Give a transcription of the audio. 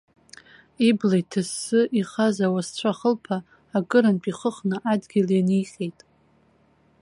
Ибла иҭассы ихаз ауасцәа хылԥа акырынтә ихыхны адгьыл ианиҟьеит.